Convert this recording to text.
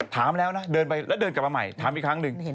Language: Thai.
ถามแล้วนะเดินกลับมาใหม่ถามอีกครั้งนึง